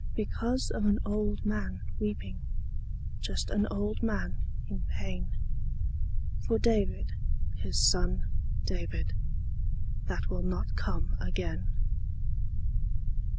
Because of an old man weeping, Just an old man in pain. For David, his son David, That will not come again.